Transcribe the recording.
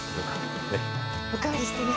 おかわりしてね。